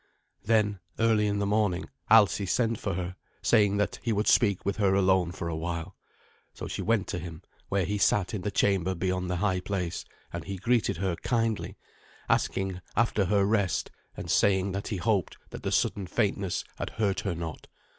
Then, early in the morning, Alsi sent for her, saying that he would speak with her alone for a while. So she went to him, where he sat in the chamber beyond the high place; and he greeted her kindly, asking after her rest, and saying that he hoped that the sudden faintness had hurt her not.